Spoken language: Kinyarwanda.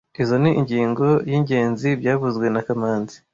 Izoi ni ingingo y'ingenzi byavuzwe na kamanzi